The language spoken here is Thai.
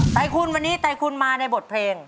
ไตคุณวันนี้ไตคุณมาในบทเพลง